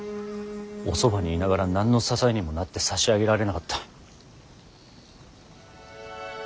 おそばにいながら何の支えにもなってさしあげられなかった。